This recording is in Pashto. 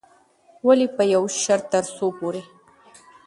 ولې په يوه شرط، ترڅو پورې